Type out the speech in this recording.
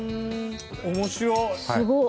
面白い！